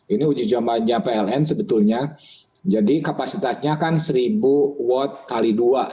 ini uji coba pln sebetulnya jadi kapasitasnya kan seribu watt kali dua